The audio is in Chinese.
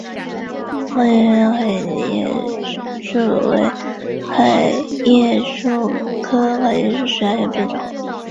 毛叶云南桤叶树为桤叶树科桤叶树属下的一个变种。